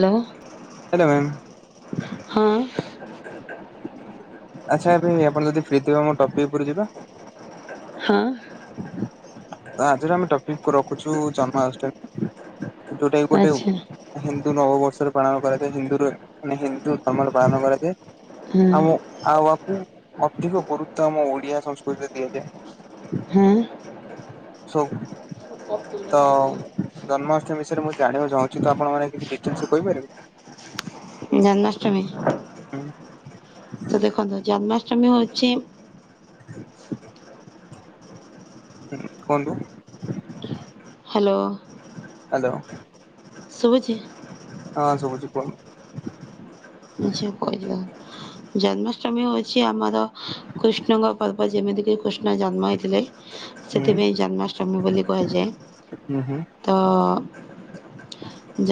Hello hello ma'am ହଁ। ଆଚ୍ଛା ଏବେ ଆପଣ ଯଦି ଫ୍ରି ଥିବେ ଆମ ଟପିକ୍ ଉପରକୁ ଯିବା। ହଁ। ତ ଆଜିର ଆମେ ଟପିକ୍ କୁ ରଖୁଛୁ ଜନ୍ମାଷ୍ଟମୀ। ଯୋଉଟା କି ଗୋଟେ ହିନ୍ଦୁ ନବବର୍ଷର ପାଳନ କରାଯାଏ, ହିନ୍ଦୁରେ ହିନ୍ଦୁ ଧର୍ମରେ ପାଳନ କରାଯାଏ। ଆଉ ଆଉ ଆକୁ ଅଧିକ ଗୁରୁତ୍ୱ ଆମ ଓଡ଼ିଆ ସଂସ୍କୃତିରେ ଦିଆଯାଏ। ହଁ ସବ ତ ଜନ୍ମାଷ୍ଟମୀ ବିଷୟରେ ମୁଁ ଜାଣିବାକୁ ଚାହୁଁଛି ତ ଆପଣ ମାନେ କିଛି ଡିଟେଲ୍ସରେ କହିପାରିବେ? ଜନ୍ମାଷ୍ଟମୀ। [unintelligible] ତ ଦେଖନ୍ତୁ ଜନ୍ମାଷ୍ଟମୀ ହଉଚି ହ କୁହନ୍ତୁ? ହାଲୋ। ହ୍ୟାଲୋ। ସୁଭୁଚି? ହଁ ସବୁଚି କୁହନ୍ତୁ? ଝିଅ କଇ ଯିବ। ଜନ୍ମାଷ୍ଟମୀ ହୋଉଚି ଆମର କୃଷ୍ଣଙ୍କ ପର୍ବ ଯେମିତିକି କୃଷ୍ଣ ଜନ୍ମ ହେଇଥିଲେ। ହୁଁ ସେଥିପାଇଁ ଜନ୍ମାଷ୍ଟମୀ ବୋଲି କୁହାଯାଏ। ହୁଁ ହୁଁ ତ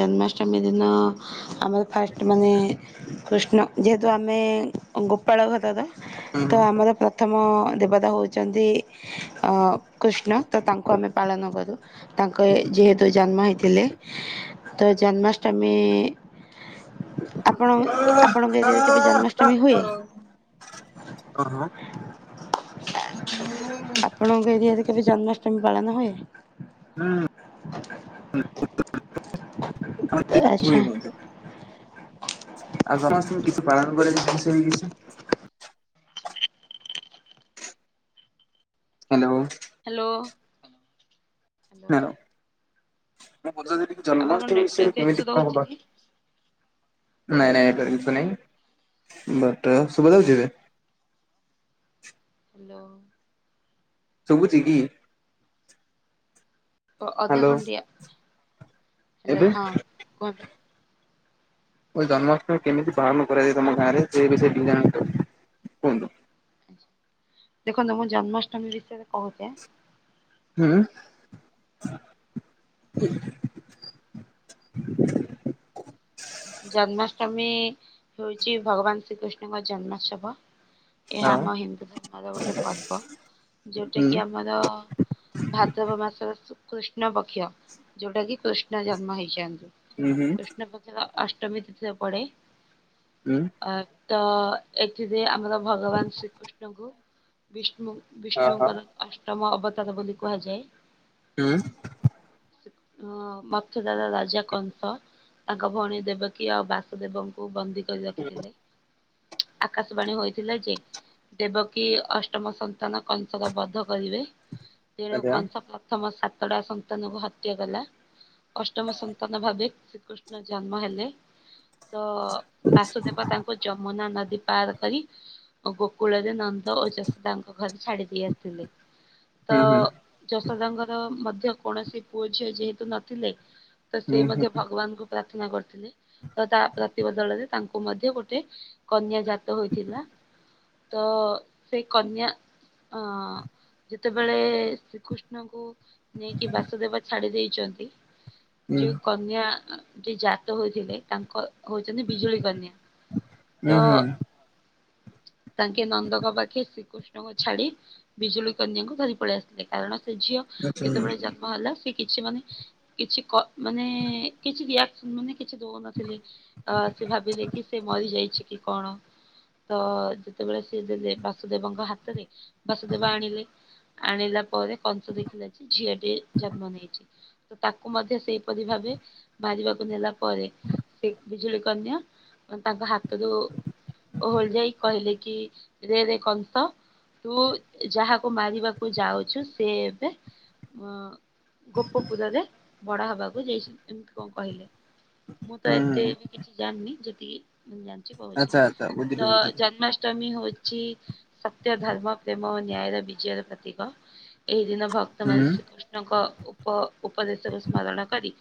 ଜନ୍ମାଷ୍ଟମୀ ଦିନ ଆମେ ଫାଷ୍ଟ ମାନେ କୃଷ୍ଣ ଯେହେତୁ ଆମେ ଗୋପାଳ ଘରର ହୁଁ ତ ଆମର ପ୍ର ଥମ ଦେବତା ହେଉଚନ୍ତି କୃଷ୍ଣ। ତ ତାଙ୍କୁ ଆମେ ପାଳନ କରୁ, ତାଙ୍କ ଯେହେତୁ ଜନ୍ମ ହେ ଥିଲେ ତ ଜନ୍ମାଷ୍ଟମୀ ପଣ ହୁଁ। ଆପଣଙ୍କ ଏରିଆରେ କେବେ ଜନ୍ମାଷ୍ଟମୀ ହୁଏ? ହଁ ହଁ। ଆ ଆପଣଙ୍କ ଏରିିଆରେ କେବେ ଜନ୍ମାଷ୍ଟମୀ ପାଳନ ହୁଏ? ହୁଁ। ଆଚ୍ଛା। ହୁଏ ମଧ୍ୟ। ଆଉ ଜନ୍ମାଷ୍ଟମୀ କିଛି ପାଳନ କରାଯାଏ ସେ ବିଷୟରେ କିଛି? Hello. Hello. Hello. Hello [unintelligible] Janmashtami ବିଷୟରେ ନେଟୱାର୍କ ଇସୁ କେମିତି କଣ ରହୁଛି କବା କି? ନାଇଁ ନାଇଁ ଏଟା [unintelligible] ନାଇଁ ବଟ ସୁବାଯାଉଚି ଏବେ? [inaudible] ହାଲୋ। ସୁବୁଚି କି? ଓ ଅଧା ହ୍ୟାଲୋ ଖଣ୍ଡିଆ ହ୍ୟାଲୋ ଏବେ ହଁ କୁହନ୍ତୁ? ଜନ୍ମାଷ୍ଟମୀ କେମିତି ପାଳନ କରାଯାଏ ତମ ଗାଁରେ ସେ ବିଷୟରେ ଜାଣିବାକୁ ଚାହୁଁଚି କୁହନ୍ତୁ? ଦେଖନ୍ତୁ ମୁଁ ଜନ୍ମାଷ୍ଟମୀ ବିଷୟରେ କହୁଚି। ହୁଁ। [inaudible] ଜନ୍ମାଷ୍ଟମୀ ହଉଚି ଭଗବାନ ଶ୍ରୀକୃଷ୍ଣଙ୍କ ଜନ୍ମୋତ୍ସବ। ଏହା ଆଉ ଆମ ହିନ୍ଦୁ ଧର୍ମର ଗୋଟେ ପର୍ବ ଯୋଉଟା ହୁଁ କିି ଆମର ଭାଦ୍ରବ ମାସର ଶୁ କୃଷ୍ଣ ପକ୍ଷ ଯୋଉଟା କି କୃଷ୍ଣ ଜନ୍ମ ହେଇଚନ୍ତି ହୁଁ ହୁଁ କୃଷ୍ଣ ପକ୍ଷର ଅଷ୍ଟମୀ ତଥି ରେ ପଡ଼େ। ହୁଁ। ତ ଏଥିରେ ଆମର ଭଗବାନ ଶ୍ରୀକୃଷ୍ଣଙ୍କୁ ବିଷ୍ଣୁ ହଁ ବିଷ୍ଣୁଙ୍କର ହଁ ଅଷ୍ଟମ ଅବତାର ବୋଲି କୁହାଯାଏ। ହୁଁ। ମଥୁରାର ରାଜା କଂସ ତାଙ୍କ ଭଉଣୀ ଦେବକୀ ଆଉ ବାସୁଦେବଙ୍କୁ ବନ୍ଦୀ କରି ରଖିଥିଲେ ଆକାଶବାଣୀ ହୋଇଥିଲା ଯେ ଦେବକି ଅଷ୍ଟମ ସନ୍ତାନ କଂସର ବଧ କରିବେ। ତେଣୁ ଆଚ୍ଛା କଂସ ପ୍ରଥମ ଟା ସନ୍ତାନକୁ ହତ୍ୟା କଲା ଅଷ୍ଟମ ସନ୍ତାନ ଭାବେ ଶ୍ରୀକୃଷ୍ଣ ଜ ଜନ୍ମ ହେଲେ ତ ବାସୁଦେବ ତାଙ୍କୁ ଯମୁନା ନ ପାର କରି ଗୋକୁଳରେ ନନ୍ଦ ଓ ଯଶଦଙ୍କ ଘରେ ଛାଡି ଦେଇ ଆସିଥିଲେ। ତ ହୁଁ ହୁଁ ହୁଁ ଯଶୋଦାଙ୍କର ମଧ୍ୟ କୌଣସି ପୁଅ ଝିଅ ଯେହେତୁ ନଥିଲେ ତ ସେ ହୁଁ ମଧ୍ୟ ଭଗବାନଙ୍କୁ ପ୍ରାର୍ଥନା ପ୍ରାର୍ଥନା କରିଥିଲେ ତ ତା ପ୍ରତିି ବଦଳରେ ତାଙ୍କୁ ମଧ୍ୟ ଗୋଟେ କନ୍ୟା ଜାତ ଜାତ ହୋଇଥିଲା ତ ସେଇ କନ୍ୟା ଅ ଯେତେବେଳେ ଶ୍ରୀକୃଷ୍ଣଙ୍କୁ ନେଇକି ବାସୁଦେବ ଛାଡ଼ି ଦେଇଛନ୍ତି। ଯୋଉ କନ୍ୟାଟି ଜାତ ହୋଇଥିଲେ ତାଙ୍କ ହଉଛନ୍ତି ବିଜୁଳି କନ୍ୟା ହୁଁ ହୁଁ ତ ହୁଁ ତାଙ୍କେ ନନ୍ଦକ ପାଖେ ଶ୍ରୀକୃଷ୍ଣଙ୍କୁ ଛାଡ଼ି ବିଜୁଳି କନ୍ୟାଙ୍କୁ ଧରି ପଳେଇ ଆସିଥିଲେ କାରଣ ସେ ଝିଅ ଆଚ୍ଛା ହୁଁ ଯେତେବେଳେ ହୁଁ ଜନ୍ମ ହେଲା ସେ କିଛି ମାନେ କିଛି କ ମାନେ କିଛି ରିଏକ୍ଟ ମାନେ କିଛି ଦଉନଥିଲେ ସେ ଭାବିଲେ କି ସେ ମରିଯାଇଛି କି କଣ ତ ଯେତେବେଳେ ସିଏ ଦେଲେ ବାସୁଦେବଙ୍କ ହାତରେ ବାସୁଦେବ ଆଣିଲେ ଆଣିଲା ପରେ କଂସ ଦେଖିଲା ଯେ ଝିଅଟିଏ ଜନ୍ମ ନେଇଛି, ତ ତାକୁ ମଧ୍ୟ ସେହିପରି ଭାବେ ମାରିବାକୁ ନେଲା ପରେ ସେ ବିଜୁଳି କନ୍ୟା ତାଙ୍କ ହାତ ହାତରୁ ଓହଳି ଯାଇ କହିଲେ କି ରେ ରେ କଂସ ତୁ ଯାହାକୁ ମାରିବାକୁ ଯାଉଛୁ ସେ ଏବେ ଅ ଗୋପପୁରରେ ବଢ଼ା ହବାକୁ ଯାଇଛି ଏମିତି କଣ କହିଲେ ମୁଁ ତ ଏତେ ହୁଁ ବି କିଛି ଜାଣିନି ଯେତିକି ଜାଣିଛି କହୁଛି ଆଚ୍ଛା ଆଚ୍ଛା ବୁଝିଲି ତ ବୁଝିଲି ଜନ୍ମାଷ୍ଟମୀ ହେଉଛି। ହେଉଛି ସତ୍ୟ, ଧର୍ମ, ପ୍ରେମ ଓ ନ୍ୟାୟର ବିଜୟର ପ୍ରତୀକ ଏହି ଦିନ ହୁଁ ଭକ୍ତମାନେ ଶ୍ରୀକୃଷ୍ଣଙ୍କ ଉପ ଉପଦେଶକୁ ସ୍ମରଣ କରି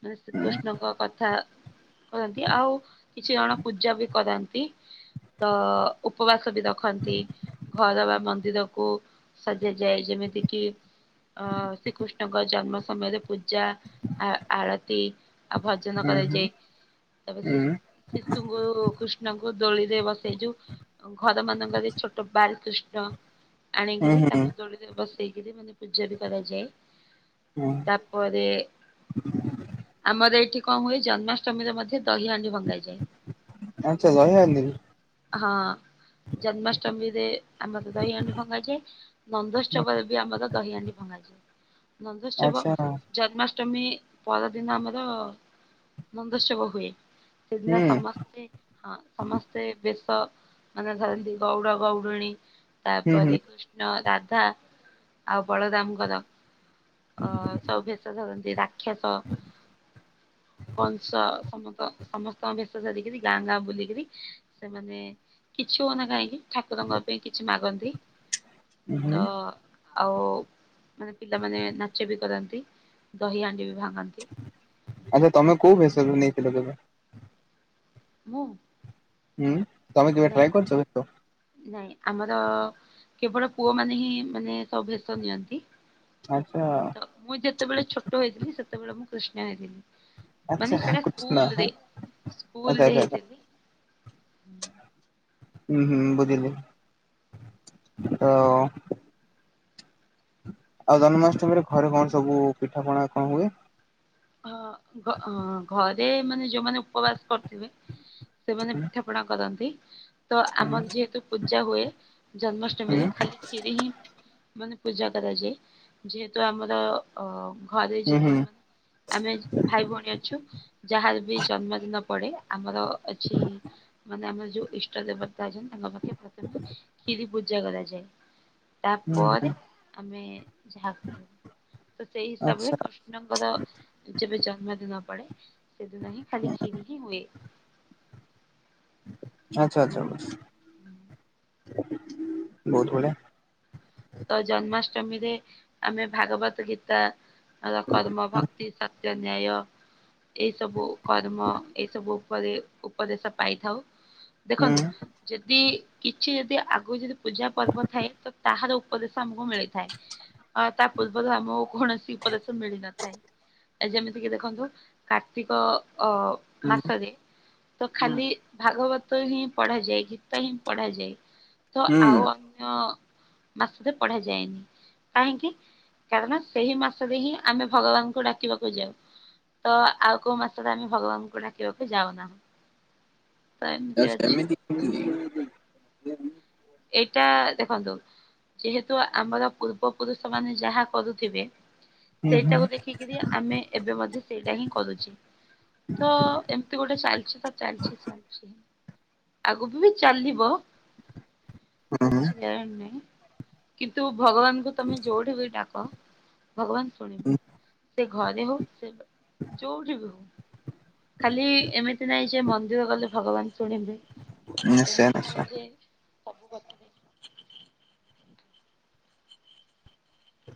ମାନେ ହୁଁ ଶ୍ରୀକୃଷ୍ଣଙ୍କ କଥା କରନ୍ତି ଆଉ କିଛି ଜଣ ପୂଜା ବି କରନ୍ତି। ତ ଉପବାସ ବି ରଖନ୍ତି ଘର ବା ମନ୍ଦିରକୁ ମନ୍ଦିରକୁ ସଜା ଯାଏ ଯେମିତି କିି ଅ ଶ୍ରୀକୃଷ୍ଣଙ୍କ ଜନ୍ମ ସମୟରେ ପୂଜା ଆ ଆରତୀ ଆଉ ଭଜନ ହୁଁ କରାଯାଏ ତାପରେ ଶିଶୁ ହୁଁ ଶିଶୁଙ୍କୁ କୃଷ୍ଣଙ୍କୁ ଦୋଳିରେ ବସେଇ ଯୋଉ ଘର ମାନଙ୍କରେ ଛୋଟ ବାଳକୃଷ୍ଣ ବାଳକୃଷ୍ଣ ହୁଁ ଆଣିକିରି ହୁଁ ତାଙ୍କୁ ଦୋଳିରେ ବସେଇକରି ମାନେ ପୂଜା ବି କରାଯାଏ। ହୁଁ ତାପରେ ଆମର ଏଇଠି କଣ ହୁଏ ଜନ୍ମାଷ୍ଟମୀରେ ମଧ୍ୟ ଦହି ଦହି ହାଣ୍ଡି ଭଙ୍ଗାଯାଏ। ଆଚ୍ଛା ଦହିହାଣ୍ଡି ହଁ। ଜନ୍ମାଷ୍ଟମୀ ରେ ଆମର ଦହି ହାଣ୍ଡି ଭଙ୍ଗାଯାଏ ନନ୍ଦୋତ୍ସବ ରେ ବି ଆମର ଦହି ହାଣ୍ଡି ଭଙ୍ଗାଯାଏ। ନନ୍ଦୋତ୍ସବ ଆଚ୍ଛା ଜନ୍ମାଷ୍ଟମୀ ଜନ୍ମାଷ୍ଟମୀ ପର ଦିନ ଆମର ନନ୍ଦୋତ୍ସବ ହୁଏ। ସେଦିନ ହୁଁ ସମସ୍ତେ ହଁ ସମସ୍ତେ ବେଶ ମାନେ ଧରନ୍ତି ଗୌଡ଼ ଗୌଡ଼ରୁଣୀ ହୁଁ ତାପ ହୁଁ କୃଷ୍ଣ ରାଧା ରାଧା ଆଉ ବଳରାମଙ୍କର ସବୁ ଭେଷ ଧରନ୍ତି ରାକ୍ଷସ ରାକ୍ଷସ କଂସ ସମସ୍ତ ସମସ୍ତ ସମସ୍ତଙ୍କ ବେଶ ଧରିକରି ଗାଁ ଗାଁ ବୁଲିକରି ସେମାନେ କିଛି ହଉନା କାହିଁକି ଠାକୁରଙ୍କ ପାଇଁ କିଛି ମାଗନ୍ତି। ହୁଁ ତ ଆଉ ମାନେ ପିଲାମାନେ ନାଚ ବି କରନ୍ତି ଦହି ହାଣ୍ଡି ବି ଭାଙ୍ଗନ୍ତି। ଆଚ୍ଛା ତମେ କୋଉ ଭେଷରୁ ନେଇଥିଲ ତେବେ ମୁଁ ହୁଁ ତମେ କିବେ ନାଇଁ ଟ୍ରାଏ କରଛ ଏସବୁ ନାଇଁ ଆମର କେବଳ ପୁଅ ମାନେ ହିଁ ମାନେ ସବୁ ବେଶ ନିଅନ୍ତି। ଆଚ୍ଛା ତ ମୁଁ ଯେତେବେଳେ ଛୋଟ ହେଇଥିଲି ସେତେବେଳେ ମୁଁ କୃଷ୍ଣ ହେଇଥିଲି। ମାନେ ଆଚ୍ଛା ସେଟା କୃଷ୍ଣ ହଁ, ସ୍କୁଲରେ ଆଚ୍ଛା ସ୍କୁଲରେ ଆଚ୍ଛା ଆଚ୍ଛା ହେଇଥିଲି। ହୁଁ ହୁଁ ବୁଝିଲି ତ ଆଉ ଜନ୍ମାଷ୍ଟମୀରେ ଘରେ କଣ ସବୁ ପିଠା ପଣା କଣ ହୁଏ। ହ ଘରେ ମାନେ ଯୋଉମାନେ ଉପବାସ କରଥିବେ ସେମାନେ ହୁଁ ପିଠା ପଣା କରନ୍ତି ତ ଆମର ଯେହେତୁ ପୂଜା ହୁଏ ହୁଁ ଜନ୍ମାଷ୍ଟମୀରେ ଖାଲି କ୍ଷୀରି ହିଁ ମାନେ ପୂଜା କରାଯାଏ ଯେହେତୁ ଆମର ଅ ଘରେ ହୁଁ ହୁଁ ଯେତିକି ମାନେ ଆମେ ଭାଇ ଭଉଣୀ ଅଛୁ ଯାହାର ବି ଜନ୍ମଦିନ ପଡେ ଆମର ଅଛି ମାନେ ଆମର ଯୋଉ ଇଷ୍ଟ ଦେବତା ଅ ତାଙ୍କ ମେ ପ୍ରଥମେ କ୍ଷରି ପୂଜା କରାଯାଏ ହୁଁ ହୁଁ। ତାପରେ ଆମେ ଯାହା କରୁ ତ ସେଇ ହିସାବରେ ଆଚ୍ଛା କୃଷ୍ଣଙ୍କର ଯେବେ ଜନ୍ମଦିନ ପଡେ ସେଦିନ ହିଁ ଖାଲି କ୍ଷିରି ହିଁ ହୁଏ ଆଚ୍ଛା ଆଚ୍ଛା ହୁଁ ବହୁତ ବଢ଼ଆ ଅଷ୍ଟମୀରେ ଆମେ ଭାଗବତ ଗୀତା କର୍ମ ଭକ୍ତି ସତ୍ୟ ନ୍ୟାୟ ଏଇସବୁ କର୍ମ ଏଇସବୁ ଉପରେ ଉପଦେଶ ପାଇଥାଉ ହୁଁ ଦେଖନ୍ତୁ ଯଦି କିଛି ଯଦି ଆଗରୁ ଯଦି ପୂଜା ପର୍ବ ଥାଏ ତ ତାହାର ଉପଦେଶ ଆମକୁ ମିଳିଥାଏ ତା ପୂର୍ବରୁ ଆମକୁ କୌଣସି ଉପଦେଶ ମିଳିନଥାଏ ଯେମିତିକି ଦେଖନ୍ତୁ କାର୍ତ୍ତିକ ଅ ହୁଁ ମାସରେ ତ ଖାଲି ଭାଗବତ ଗୀତ ହିଁ ପଢାଯାଏ ଗୀତ ହିଁ ପଢାଯାଏ ତ ହୁଁ ଆଉ ହୁଁ, ଅନ୍ୟ ମାସରେ ପଢା ଯାଏନି କାହିଁକି କାରଣ ସେଇ ମାସରେ ହିଁ ଆମେ ଭଗବାନଙ୍କୁ ଡାକିବାକୁ ଯାଉ ତ ଆଉ କୋଉ ମାସରେ ଆମେ ଭଗବାନଙ୍କୁ ଡାକିବାକୁ ଯାଉନାହୁଁ ତ ଏମିତି ଅଛି ସେମିତି ଏଇଟା ଦେଖନ୍ତନ୍ତୁ ଯେହେତୁ ଆମର ପୂର୍ବ ପୁରୁଷ ମାନେ ଯାହା କରୁଥିବେ ହୁଁ ସେଇଟାକୁ ହୁଁ ଦେଖିକିରି ଆମେ ଏବେ ମଧ୍ୟ ସେଇଟା ହିଁ କରୁଛି ତ ଏମିତି ଗୋଟେ ଚାଲିଛି ତ ଚାଲିଛି ଚାଲିଛି ଆଗକୁ ବି ଚାଲିବ ତାର ହୁଁ, କିଛି ଗାରେଣ୍ଟି ନାହିଁ କିନ୍ତୁ ଭଗବାନଙ୍କୁ ତମେ ଯୋଉଠି ବି ଡାକ ଭଗବାନ ଶୁଣିବେ ସେ ଘରେ ହଉ ସେ ଯୋଉଠି ବି ଖାଲି ଏମିତି ନାଇଁ ଯେ ମନ୍ଦିର ଗଲେ ଭଗବାନ ଶୁଣିବ ନିଶ୍ଚୟ ଏମିତି ନାଇଁ ନିଶ୍ଚୟ ଯେ ସବୁ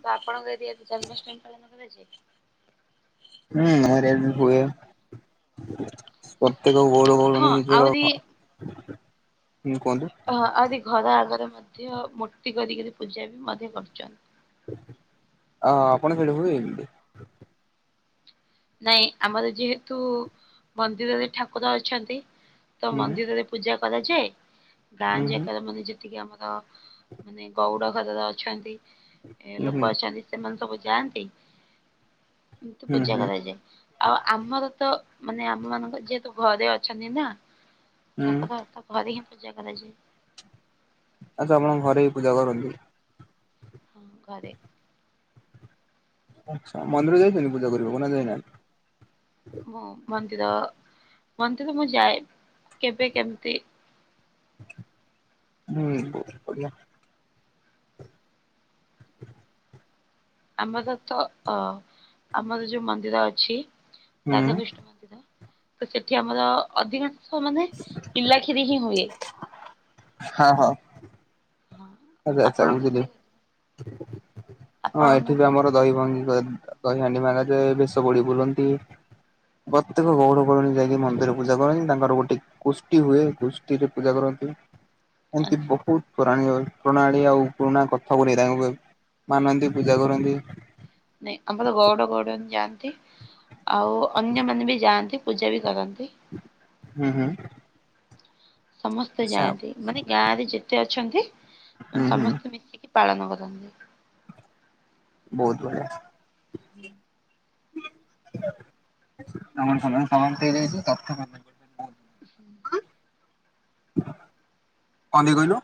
ତ ଆପଣଙ୍କ ଏଦି ଜନ୍ମାଷ୍ଟମୀ ପାଳନ କଛି ହୁଁ [unintelligible] ହୁଏ। ପ୍ରତ୍ୟେକ [unintelligible] ହଁ ନିଜର ଆହୁରି କୁହନ୍ତୁ ଅ ଆରି ଘର ଆଗରେ ମଧ୍ୟ, ମୂର୍ତ୍ତି କରିକିରି ପୂଜା ବି ମଧ୍ୟ କରୁଛନ୍ତି। ଅ ଆପଣଙ୍କ ସେଇଠି ହୁଏ ଏମିତି ନାଇଁ ଆମର ଯେହେତୁ ମନ୍ଦିରରେ ଠାକୁର ଅଛନ୍ତି। ତ ହୁଁ ମନ୍ଦିରରେ ପୂଜା କରାଯାଏ। ଗାଁ ହୁଁ ହୁଁ ଜାକାରେ ଆମ ନି ଏଠି ବି ଆମର ମାନେ ଗଉଡ଼ ଘରର ଅଛନ୍ତି, ଲୋକ ହୁଁ ଅଛନ୍ତି ସେମାନେ ସବୁ ଯାଆନ୍ତି କିନ୍ତୁ ହୁଁ ପୂଜା ହୁଁ କରା ଆଉ ଆମର ତ, ମାନେ ଆମ ମାନଙ୍କ ଯେହେତୁ ଘରେ ଅଛନ୍ତି ନା। ହୁଁ ଠାକୁର ତ ଘରେ ହିଁ ପୂଜା କରାଯାଏ। ଆଚ୍ଛା ଆପଣଙ୍କ ଘରେ ହି ପୂଜା କରନ୍ତି। ହଁ ଘରେ। ଆଚ୍ଛା ମନ୍ଦିର ଯାଇଚନ୍ତି, ପୂଜା କରିବାକୁ ନା ଯାଇନାହାନ୍ତି? ମୁଁ ମନ୍ଦିର, ମନ୍ଦିର ମୁଁ ଯାଏ କେବେ କେମିତି? ହୁଁ ବହୁତ ବଢିଆ। [inaudible] ଆମର ତ, ଆମର ଯୋଉ ମନ୍ଦିର ଅଛି ହୁଁ ରାଧାକୃଷ୍ଣ ମନ୍ଦିର, ତ ସେଠି ଆମର ଅଧିକାଂଶ ମାନେ ପିଲା କ୍ଷିରି ହିଁ ହୁଏ। ହଁ- ହଁ। ହଁ ଆଛା ଆଛା ଆପଣଙ୍କର ବୁଝିଲି, ବି ହଁ ଏଠି ଆପଣଙ୍କର ବି ଆମର ଦହି ଭଙ୍ଗ ଦହି ହାଣ୍ଡି ଭଙ୍ଗାଯାଏ, ବି ସବୁ ଆଡେ ବୁଲନ୍ତି। ପ୍ରତ୍ୟେକ ଗୌଡ ଗୌଡୁଣୀ ଯାଇକି ମନ୍ଦିରରେ ପୂଜା କରନ୍ତି। ତାଙ୍କର ଗୋଟେ ଗୋଷ୍ଠୀ ହୁଏ, ଗୋଷ୍ଠୀରେ ପୂଜା କର ନ୍ତି ଏମିତି ଆଚ୍ଛା। ବହୁତ ପୁରାଣିଅ ପ୍ରଣାଳୀ ଆଉ ପୁରୁଣା କଥାକୁ ନେଇ, ତାଙ୍କୁ [unintelligible] ମାନନ୍ତି ପୂଜା କରନ୍ତି। ନାଇଁ ଆମର ଗୌଡ ଗୌଡୁଣୀ ଯାଆନ୍ତି, ଆଉ ଅନ୍ୟମାନେ ବି ଯାଆନ୍ତି। ପୂଜା ବି କରନ୍ତି। ହୁଁ- ହୁଁ। ସମସ୍ତେ ଆଚ୍ଛା ଯାଆନ୍ତି ମାନେ ଗାଁ ରେ ଯେତେ ଅଛନ୍ତି, ହୁଁ ମାନେ ହୁଁ ସମସ୍ତେ ମିଶିକି ପାଳନ କରନ୍ତି। ବହୁତ ବଢିଆ। ହୁଁ। [unintelligible] [unintelligible] କଣ ଦେବି କହିଲୁ?